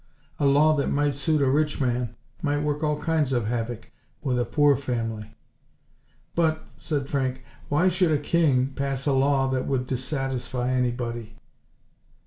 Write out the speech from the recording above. A law that might suit a rich man, might work all kinds of havoc with a poor family." "But," said Frank, "why should a King pass a law that would dissatisfy anybody?"